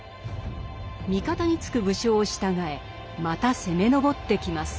味方につく武将を従えまた攻め上ってきます。